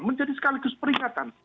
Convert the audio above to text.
menjadi sekaligus peringatan